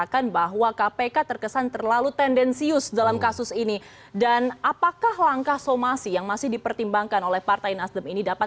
karena itulah kita mulai hari ini kita akan sama sama berjuang bersama